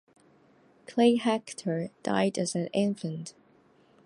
Clay Hector died as an infant.